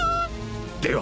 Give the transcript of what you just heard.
では。